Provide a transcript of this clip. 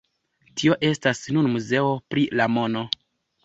Tio estas nun muzeo pri la mono.